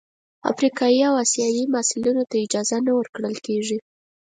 افریقايي او اسیايي محصلینو ته اجازه نه ورکول کیږي.